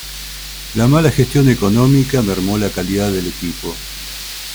La mala gestión económica mermó la calidad del equipo.